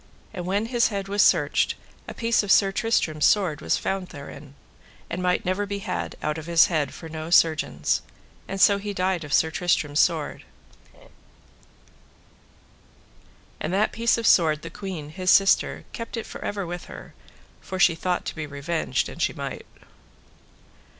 And when his head was searched a piece of Sir Tristram's sword was found therein, and might never be had out of his head for no surgeons, and so he died of Sir Tristram's sword; and that piece of the sword the queen, his sister, kept it for ever with her, for she thought to be revenged an she might.